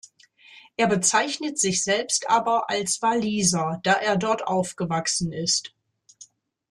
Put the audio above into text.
Er bezeichnet sich selbst aber als Waliser, da er dort aufgewachsen ist.